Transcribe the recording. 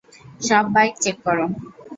সব bike check করো।